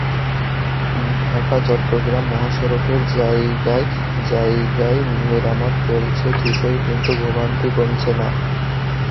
ঢাকা-চট্টগ্রাম মহাসড়কের জায়গায় জায়গায় মেরামত চলছে ঠিকই, কিন্তু ভোগান্তি কমছে না।